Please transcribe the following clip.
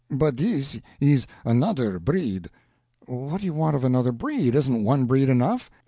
"But this is another breed." "What do we want of another breed? Isn't one breed enough?